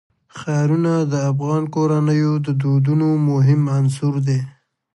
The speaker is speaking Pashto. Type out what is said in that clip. ښارونه د افغان کورنیو د دودونو مهم عنصر دی.